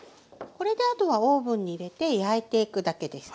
これであとはオーブンに入れて焼いていくだけです。